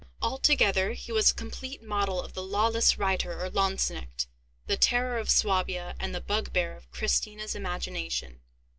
Altogether he was a complete model of the lawless Reiter or Lanzknecht, the terror of Swabia, and the bugbear of Christina's imagination.